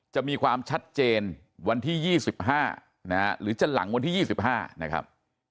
จะมีความชัดเจนวันที่๒๕หรือจะหลังวันที่๒๕นะครับ